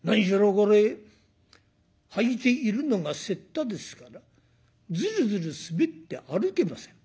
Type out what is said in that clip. これ履いているのが雪駄ですからズルズル滑って歩けません。